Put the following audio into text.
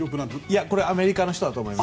アメリカの人だと思います。